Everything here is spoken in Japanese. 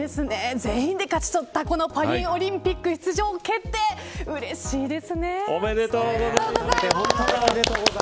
全員で勝ち取ったパリオリンピック出場決定おめでとうございます。